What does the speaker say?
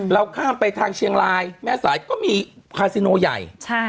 ข้ามไปทางเชียงรายแม่สายก็มีคาซิโนใหญ่